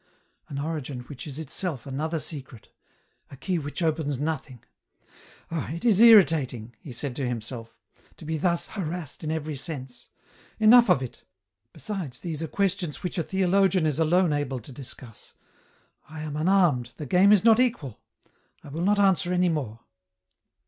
" An origin which is itself another secret, a key which opens nothing !" Ah ! it is irritating," he said to himself, "to be thus harassed in every sense. Enough of it ; besides these are ques tions which a theologian is alone able to discuss ; I am un armed, the game is not equal ; I wiU not answer any more."